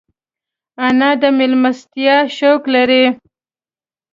انا د مېلمستیا شوق لري